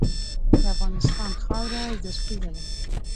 د افغانستان خاوره زرخیزه ده.